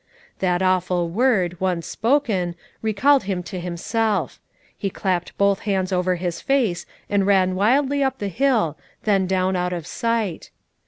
The awful word, once spoken, recalled him to himself: he clapped both hands over his face and ran wildly up the hill, then down out of sight.